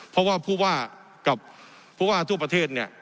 เพราะว่าผู้ว่ากับผู้ว่าทั่วประเทศเนี่ย